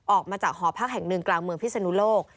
ออกมาจากหอพักแห่งหนึ่งกลางเมืองพิศนุโลก